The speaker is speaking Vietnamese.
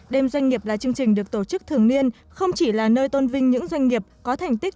đêm doanh nghiệp là chương trình được tổ chức thường niên không chỉ là nơi tôn vinh những doanh nghiệp có thành tích